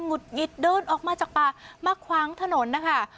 ุดหงิดเดินออกมาจากป่ามาขวางถนนนะคะ